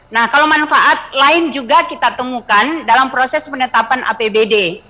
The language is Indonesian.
nah kalau manfaat lain juga kita temukan dalam proses penetapan apbd